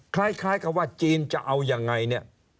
คล้ายกับว่าจีนจะเอายังไงเนี่ย